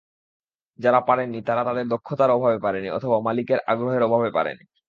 যারা পারেনি, তারা তাদের দক্ষতার অভাবে পারেনি অথবা মালিকের আগ্রহের অভাবে পারেনি।